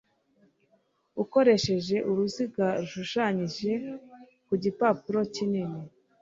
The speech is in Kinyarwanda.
ukoresheje uruziga rushushanyije ku gipapuro kinini